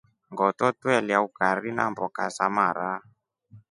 Ngoto twelya ukari namboka za mara.